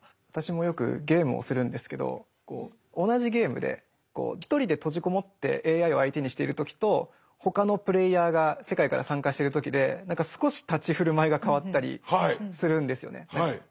私もよくゲームをするんですけど同じゲームで１人で閉じ籠もってＡＩを相手にしている時と他のプレーヤーが世界から参加してる時で少し立ち居振る舞いが変わったりするんですよね。